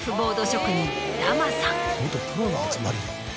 ホントプロの集まりだ。